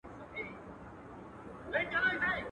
دوه پر لاري را روان دي دوه له لیري ورته خاندي.